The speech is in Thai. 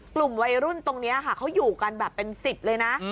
กลุ่มวัยรุ่นตรงนี้ค่ะเขาอยู่กันแบบเป็น๑๐เลยนะ